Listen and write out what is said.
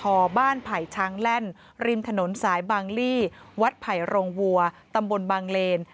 บ้านไผ่ช้างแล่นริมถนนสายบางลี่วัดไผ่โรงวัวตำบลบางเลน